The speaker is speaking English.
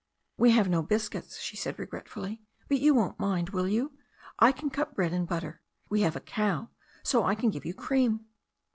"We have no biscuits," she said regretfully, "but you won't mind, will you? I can cut bread and butter. We have a cow, so I can give you cream.